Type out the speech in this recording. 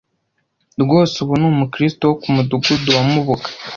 rwose ubu ni umukristo wo ku mudugudu wa mubuga